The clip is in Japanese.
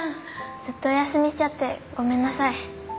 ずっとお休みしちゃってごめんなさい。